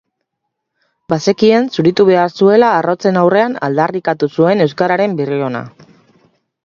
Bazekien zuritu behar zuela arrotzen aurrean aldarrikatu zuen euskararen berri ona.